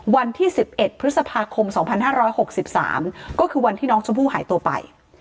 วันที่๑๑พฤษภาคม๒๕๖๓ก็คือวันที่น้องชมพู่หายตัวไป